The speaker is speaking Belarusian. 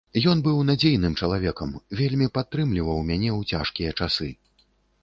Ён быў надзейным чалавекам, вельмі падтрымліваў мяне ў цяжкія часы.